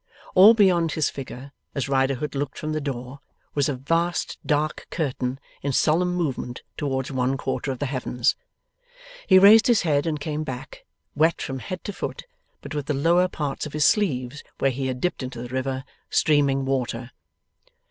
All beyond his figure, as Riderhood looked from the door, was a vast dark curtain in solemn movement towards one quarter of the heavens. He raised his head and came back, wet from head to foot, but with the lower parts of his sleeves, where he had dipped into the river, streaming water.